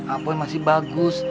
apoi masih bagus